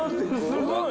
すごい。